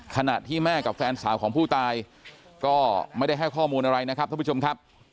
ขณะที่แม่กับแฟนสาวของผู้ตายก็ไม่ได้ให้ข้อมูลอะไรนะครับท่านผู้ชมครับ